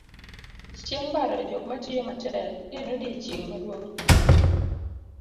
chieng' paro jok matiyo matek, en odiochieng' maduong' ahinya